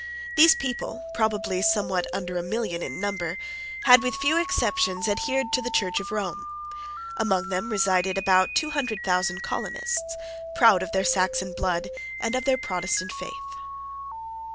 These people, probably somewhat under a million in number, had, with few exceptions, adhered to the Church of Rome. Among them resided about two hundred thousand colonists, proud of their Saxon blood and of their Protestant faith.